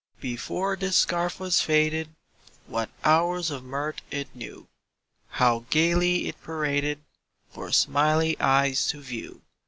Before this scarf was faded, What hours of mirth it knew! How gaily it paraded For smiling eyes to view!